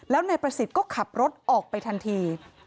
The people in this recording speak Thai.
แล้วนายประสิทธิ์ก็ขับรถออกไปทันที